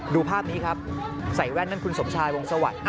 ดูภาพนี้ครับใส่แว่นนั่นคุณสมชายวงสวัสดิ์